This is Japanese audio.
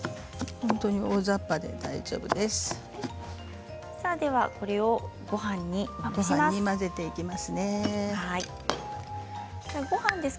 本当に大ざっぱで大丈夫です。